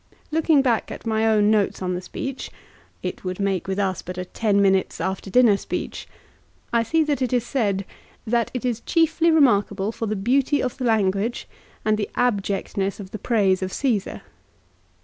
Looking back at my own notes on the speech, it would make with us but a ten minutes' after dinner speech, I see that it is said " that it is chiefly remarkable for the beauty of the language, and the abjectness of the praise of Caesar."